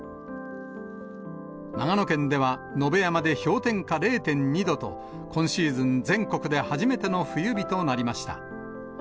長野県では、野辺山で氷点下０．２度と、今シーズン全国で初めての冬日となりました。